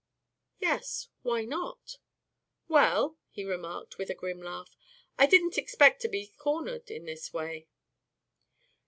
"Yes. Why not?" "Well," he remarked, with a grim laugh. "I didn't expect to be cornered in this way."